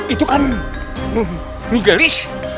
itu kan njiglis